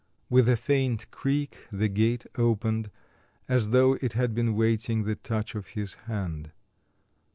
With a faint creak the gate opened, as though it had been waiting the touch of his hand.